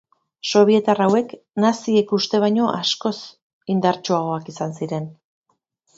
Sobietar hauek naziek uste baino askoz indartsuagoak izan ziren.